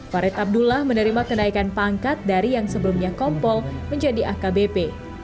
farid abdullah menerima kenaikan pangkat dari yang sebelumnya kompol menjadi akbp